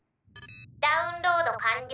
ダウンロード完了。